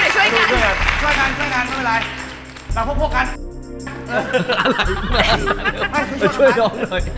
ช่วยกันช่วยกันหน่อย